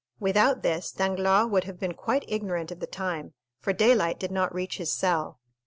Without this, Danglars would have been quite ignorant of the time, for daylight did not reach his cell.